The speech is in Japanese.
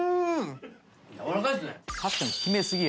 やわらかいっすね。